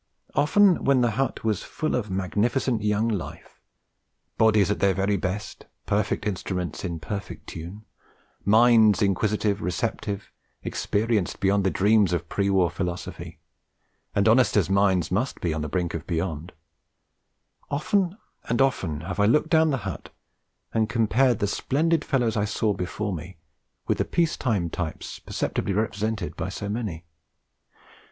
Often when the hut was full of magnificent young life; bodies at their very best, perfect instruments in perfect tune; minds inquisitive, receptive, experienced beyond the dreams of pre war philosophy, and honest as minds must be on the brink of Beyond; often and often have I looked down the hut and compared the splendid fellows I saw before me with the peace time types perceptibly represented by so many.